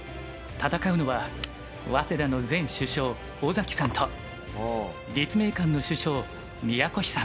戦うのは早稲田の前主将尾崎さんと立命館の主将宮越さん。